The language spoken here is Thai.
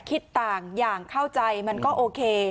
คิดต่างอย่างเข้าใจมันก็โอเค